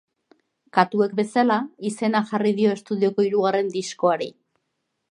Katuek bezala izena jarri dio estudioko hirugarren diskoari.